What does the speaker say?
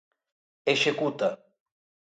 Executa.